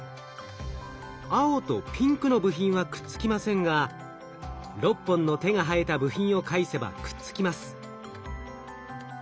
青とピンクの部品はくっつきませんが６本の手が生えた部品を介せばくっつきます。